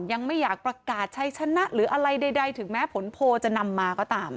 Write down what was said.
ยังไม่อยากประกาศใช้ชนะหรืออะไรใดถึงแม้ผลโพลจะนำมาก็ตาม